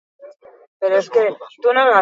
Artearen Areto Nazionaleko zati bat hemen dago.